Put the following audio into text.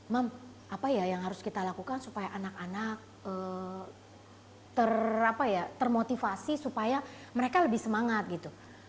apa ya yang harus kita lakukan supaya anak anak termotivasi supaya mereka lebih semangat gitu